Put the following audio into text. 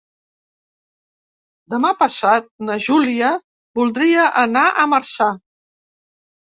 Demà passat na Júlia voldria anar a Marçà.